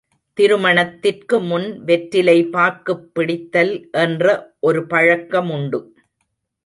திருமணத்திற்குமுன் வெற்றிலை பாக்குப் பிடித்தல் என்ற ஒரு பழக்கமுண்டு.